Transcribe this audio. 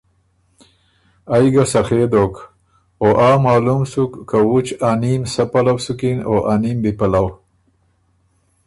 ائ ګۀ سخې دوک او آ معلوم سُک که وُچ ا نیم سۀ پلؤ سُکِن او ا نیم بی پلؤ۔